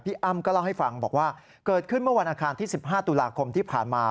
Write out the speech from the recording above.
อ้ำก็เล่าให้ฟังบอกว่าเกิดขึ้นเมื่อวันอาคารที่๑๕ตุลาคมที่ผ่านมา